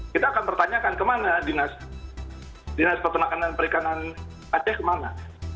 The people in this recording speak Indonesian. kita akan pertanyakan kemana dinas peternakan dan perikanan aceh kemana